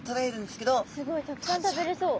すごいたくさん食べれそう。